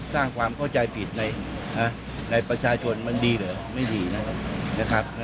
สร้างความเข้าใจผิดในประชาชนมันดีเหรอไม่ดีนะครับ